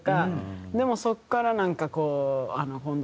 でもそこからなんかこう本当